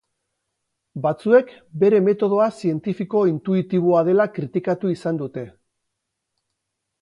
Batzuek bere metodoa zientifiko-intuitiboa dela kritikatu izan dute.